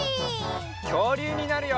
きょうりゅうになるよ！